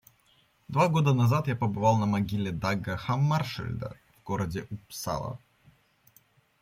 Два года назад я побывал на могиле Дага Хаммаршельда в городе Уппсала.